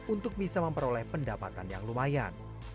untuk bisa memperoleh pendapatan yang lumayan